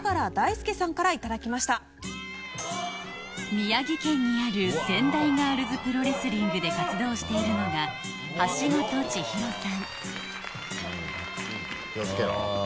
宮城県にあるセンダイガールズプロレスリングで活動しているのが橋本千紘さん気をつけろ。